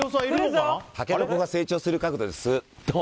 タケノコが成長する角度です。